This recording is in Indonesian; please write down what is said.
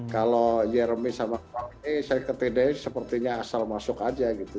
kalau jeremy sama prom ini saya ketidaknya sepertinya asal masuk aja gitu